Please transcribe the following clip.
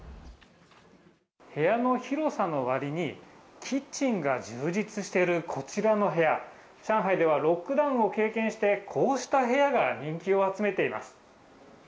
部屋の広さのわりに、キッチンが充実しているこちらの部屋、上海ではロックダウンを経験して、こうした部屋が人気を集めています。